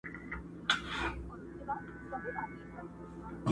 پاچاهي دي مبارک وي د ازغو منځ کي ګلاب ته،